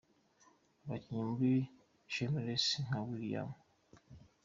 abakinnye muri Shameless nka William H.